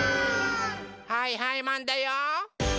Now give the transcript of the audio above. はいはいマンだよ！